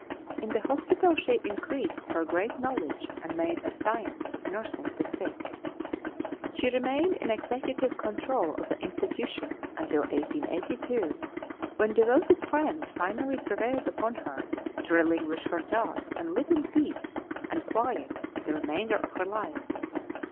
In the hospital she increased her great knowledge and made a science of nursing the sick. She remained in executive control of the institution until 1882, when devoted friends finally prevailed upon her to relinquish her task and live in peace and quiet the remainder of her life.